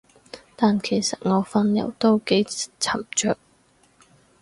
但其實我份人都幾沉着